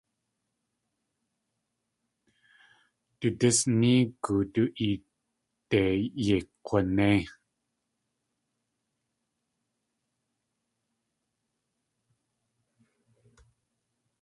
Du dís néegu du éede yéi kg̲wanéi.